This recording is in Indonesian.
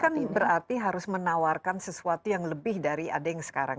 ini kan berarti harus menawarkan sesuatu yang lebih dari ada yang sekarang